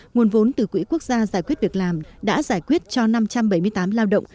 nguồn vốn từ quỹ quốc gia giải quyết việc làm đã giải quyết cho năm trăm bảy mươi tám lao động